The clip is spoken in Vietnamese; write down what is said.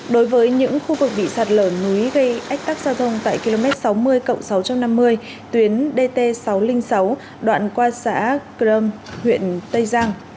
đối với những khu vực bị sạt lở núi gây ách tắc giao thông tại km sáu mươi sáu trăm năm mươi tuyến dt sáu trăm linh sáu đoạn qua xã crom huyện tây giang